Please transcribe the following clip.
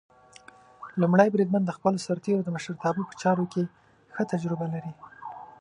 لومړی بریدمن د خپلو سرتېرو د مشرتابه په چارو کې ښه تجربه لري.